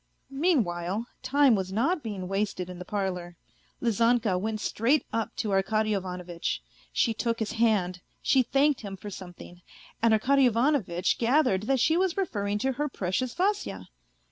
Mean while, time was not being wasted in the parlour. Lizanka went straight up to Arkady Ivanovitch. She took his hand, she thanked him for something, and Arkady Ivanovitch gathered that she was referring to her precious Vasya.